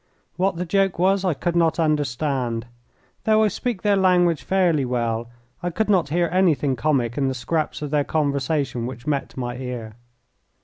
What the joke was I could not understand. Though I speak their language fairly well I could not hear anything comic in the scraps of their conversation which met my ear.